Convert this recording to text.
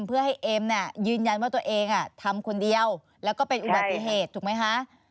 เพื่อให้เอ็มยืนยันว่าตัวเองทำคนเดียวแล้วก็เป็นอุบัติเหตุถูกไหมคะ